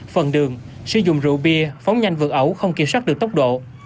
phần đường sử dụng rượu bia phóng nhanh vượt ẩu không kiểm soát được tốc độ